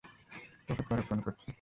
তোকে পরে ফোন করছি।